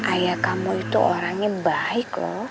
ayah kamu itu orangnya baik kok